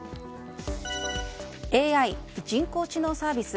ＡＩ・人工知能サービス